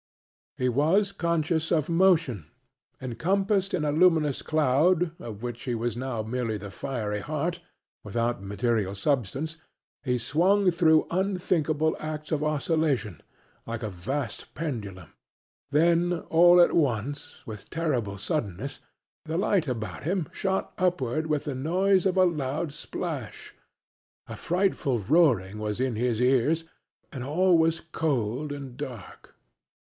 He was conscious of motion. Encompassed in a luminous cloud, of which he was now merely the fiery heart, without material substance, he swung through unthinkable arcs of oscillation, like a vast pendulum. Then all at once, with terrible suddenness, the light about him shot upward with the noise of a loud plash; a frightful roaring was in his ears, and all was cold and dark.